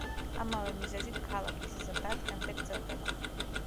ამავე მიზეზით, ქალაქის ზრდა დღემდე გრძელდება.